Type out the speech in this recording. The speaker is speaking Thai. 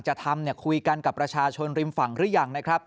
จะทำคุยกันกับประชาชนริมฝั่งหรือยังนะครับ